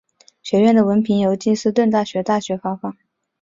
学院的文凭由金斯顿大学大学发放。